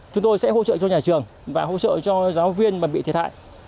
chúng tôi sẽ hỗ trợ cho nhà trường và hỗ trợ cho giáo viên mà bị thiệt hại